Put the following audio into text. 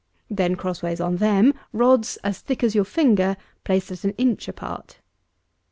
Then, crossways on them, rods as thick as your finger, placed at an inch apart.